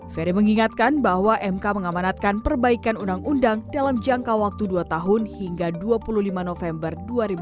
ferry mengingatkan bahwa mk mengamanatkan perbaikan undang undang dalam jangka waktu dua tahun hingga dua puluh lima november dua ribu dua puluh